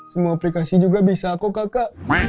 semua aplikasi juga bisa kok kakak